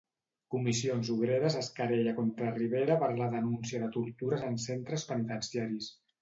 Comissions Obreres es querella contra Rivera per la denúncia de tortures en centres penitenciaris.